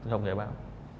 không kể báo